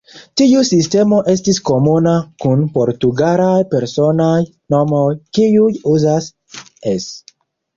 Tiu sistemo estis komuna kun portugalaj personaj nomoj, kiuj uzas "-es".